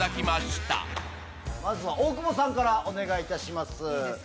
まずは大久保さんからお願いいたします。